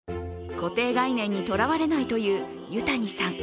固定概念にとらわれないという油谷さん。